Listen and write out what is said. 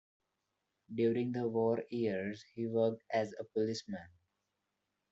During the war years, he worked as a policeman.